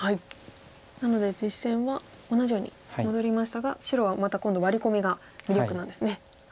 なので実戦は同じように戻りましたが白はまた今度ワリコミが魅力なんですね。